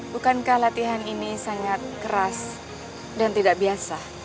bukankah latihan ini sangat keras dan tidak biasa